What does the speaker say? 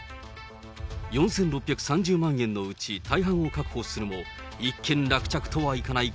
４６３０万円のうち、大半を確保するも、一件落着とはいかない